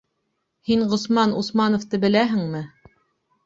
Һин Ғосман Усмановты беләһеңме?